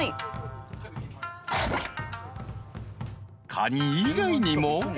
［カニ以外にも］